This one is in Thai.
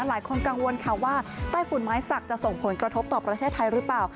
หลายคนกังวลค่ะว่าใต้ฝุ่นไม้สักจะส่งผลกระทบต่อประเทศไทยหรือเปล่า